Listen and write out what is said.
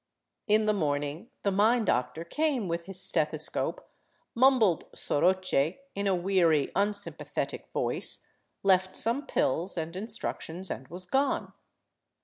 In the morning the mine doctor came with his stethescope, mumbled " soroche " in a weary, unsympathetic voice, left some pills and in structions, and was gone.